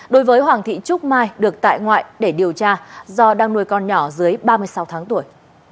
đối với hoàng thị trúc mai được tại ngoại để điều tra do đang nuôi con nhỏ dưới ba mươi sáu tháng tuổi